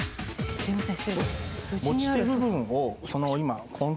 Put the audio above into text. すいません。